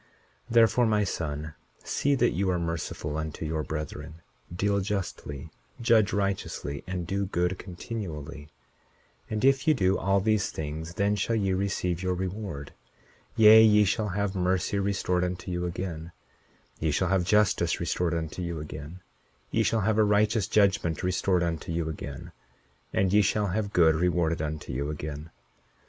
41:14 Therefore, my son, see that you are merciful unto your brethren; deal justly, judge righteously, and do good continually; and if ye do all these things then shall ye receive your reward; yea, ye shall have mercy restored unto you again; ye shall have justice restored unto you again; ye shall have a righteous judgment restored unto you again; and ye shall have good rewarded unto you again.